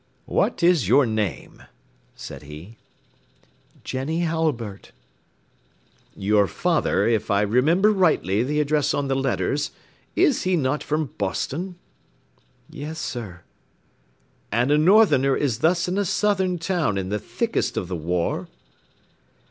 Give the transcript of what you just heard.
"What is your name?" said he. "Jenny Halliburtt." "Your father, if I remember rightly the address on the letters, is he not from Boston?" "Yes, sir." "And a Northerner is thus in a southern town in the thickest of the war?"